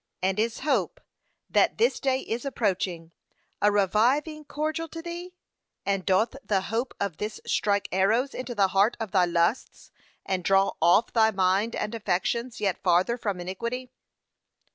And is hope, that this day is approaching, a reviving cordial to thee? and doth the hope of this strike arrows into the heart of thy lusts, and draw off thy mind and affections yet farther from iniquity.